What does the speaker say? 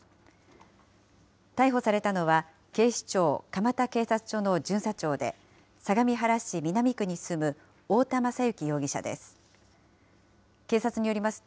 逮捕されたのは、警視庁蒲田警察署の巡査長で、相模原市南区に住む太田優之容疑者です。